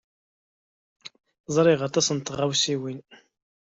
Ẓriɣ aṭas n tɣawsiwin.